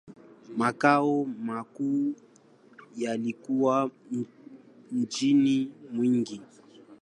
Makao makuu yalikuwa mjini Mwingi.